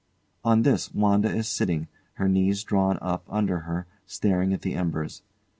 [On this WANDA is sitting, her knees drawn up under her, staring at the embers.